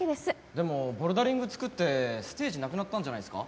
でもボルダリング作ってステージなくなったんじゃないですか？